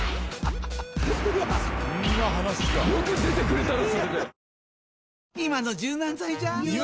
うわっ！よく出てくれたな！